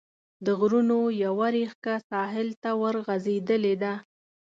د غرونو یوه ريښکه ساحل ته ورغځېدلې ده.